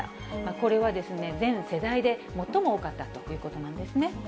これは全世代で最も多かったということなんですね。